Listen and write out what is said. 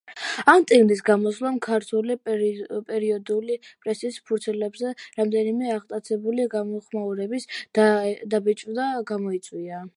ამ წიგნის გამოსვლამ ქართული პერიოდული პრესის ფურცლებზე რამდენიმე აღტაცებული გამოხმაურების დაბეჭდვა გამოიწვია.